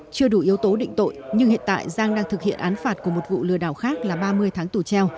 chưa đủ yếu tố định tội nhưng hiện tại giang đang thực hiện án phạt của một vụ lừa đảo khác là ba mươi tháng tù treo